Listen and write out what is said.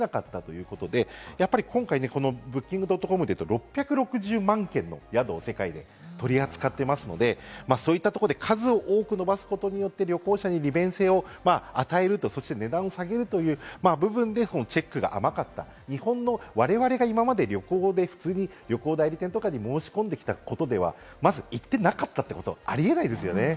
行って、そのものを提供できなかったということで、今回、このＢｏｏｋｉｎｇ．ｃｏｍでいうと６６０万件の宿を世界で取り扱っていますので、そういったところで数を多く伸ばすことで旅行者に利便性を与えると、値段を下げるという部分でチェックが甘かった、日本の我々が今まで旅行で普通に旅行代理店とかに申し込んできたことでは、まず行ってなかったってことあり得ないですよね。